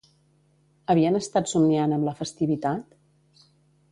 Havien estat somniant amb la festivitat?